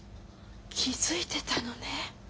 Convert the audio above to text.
気付いてたのね。